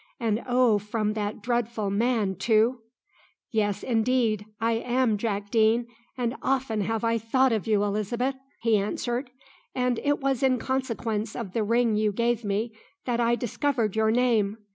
and oh, from that dreadful man too?" "Yes, indeed I am Jack Deane and often have I thought of you, Elizabeth!" he answered; "and it was in consequence of the ring you gave me that I discovered your name.